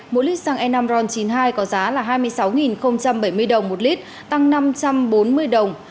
mỗi lít xăng e năm ron chín mươi hai có giá là hai mươi sáu bảy mươi đồng một lít tăng năm trăm bốn mươi đồng